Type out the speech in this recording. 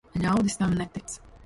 Ļaudis tam netic.